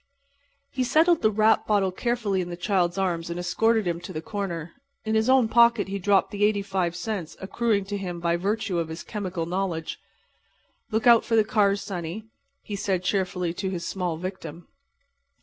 He settled the wrapped bottle carefully in the child's arms and escorted him to the corner. In his own pocket he dropped the 85 cents accruing to him by virtue of his chemical knowledge. "Look out for the cars, sonny," he said, cheerfully, to his small victim.